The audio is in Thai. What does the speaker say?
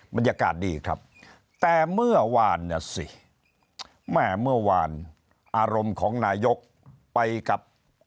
บรรยากาศดีครับแต่เมื่อวานน่ะสิแม่เมื่อวานอารมณ์ของนายกไปกับ